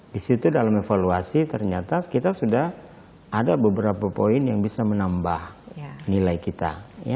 di situ dalam evaluasi ternyata kita sudah ada beberapa poin yang bisa menambah nilai kita